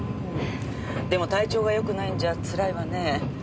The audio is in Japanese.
でも体調がよくないんじゃつらいわね。